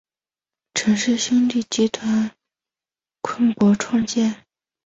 陈氏兄弟集团昆仲创建。